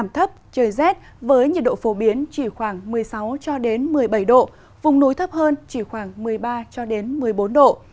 trời rét với nhiệt độ phổ biến chỉ khoảng một mươi sáu một mươi bảy độ vùng núi thấp hơn chỉ khoảng một mươi ba một mươi bốn độ